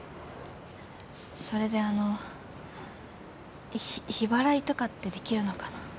それであのひ日払いとかってできるのかな？